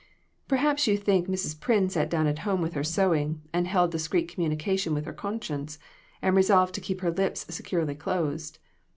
Perhaps you think Mrs. Pryn sat down at home with her sewing, and held discreet communion with her conscience, and resolved to keep her lips securely closed.